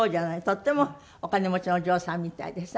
とってもお金持ちのお嬢さんみたいでさ。